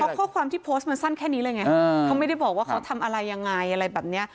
เพราะข้อความที่โพสต์มันสั้นแค่นี้เลยไงเขาไม่ได้บอกว่าเขาทำอะไรยังไงอะไรแบบนี้